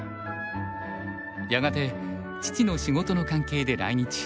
やがて父の仕事の関係で来日。